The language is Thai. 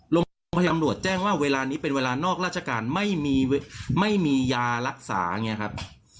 โรงพยาบาลตำรวจแจ้งว่าเวลานี้เป็นเวลานอกราชการไม่มีไม่มียารักษาอย่างนี้ครับ